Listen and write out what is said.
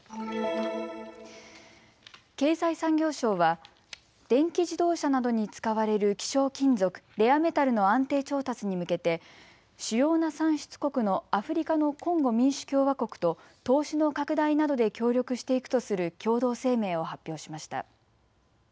経済産業省は電気自動車などに使われる希少金属レアメタルの安定調達に向けて主要な産出国のアフリカのコンゴ民主共和国と投資の拡大などで協力していくとする共同声明を発表しました。